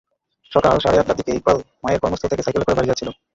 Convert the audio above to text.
সকাল সাড়ে আটটার দিকে ইকবাল মায়ের কর্মস্থল থেকে সাইকেলে করে বাড়ি যাচ্ছিল।